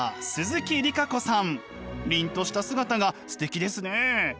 凛とした姿がすてきですね。